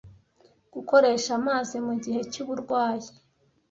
Gukoresha Amazi mu Gihe cy’Uburwayi